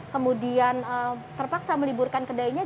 kemudian terpaksa meliburkan kedainya